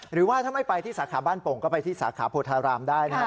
หรือว่าถ้าไม่ไปที่สาขาบ้านโป่งก็ไปที่สาขาโพธารามได้นะครับ